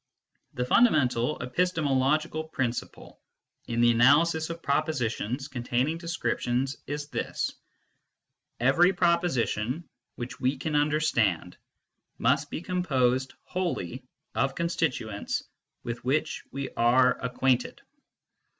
\S The^Tundamental epistemological principle in the analysis of propositions containing descriptions is this : Every proposition which we can understand must be com posed wholly of constituents with which we are acquainted.